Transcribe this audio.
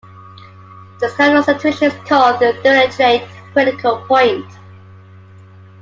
This kind of situation is called a degenerate critical point.